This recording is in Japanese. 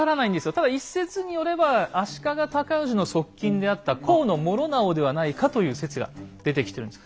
ただ一説によれば足利尊氏の側近であった高師直ではないかという説が出てきてるんです。